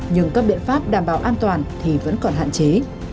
nhưng các biện pháp đảm bảo an toàn thì vẫn còn hạn chế